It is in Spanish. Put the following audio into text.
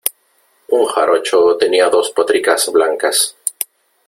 un jarocho tenía dos potricas blancas .